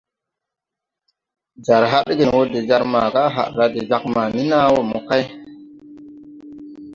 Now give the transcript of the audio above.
Jar hadgen wɔ de jar maga à had raa de jag mani naa mo wɔ mokay.